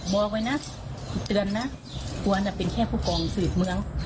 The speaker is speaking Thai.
บอกไว้นะทุกคนนะเป็นเพื่อนเป็นแค่ข้ากรสี่บินเมือง